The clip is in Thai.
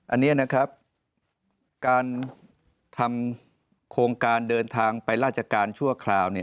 อันนี้นะครับการทำโครงการเดินทางไปราชการชั่วคราว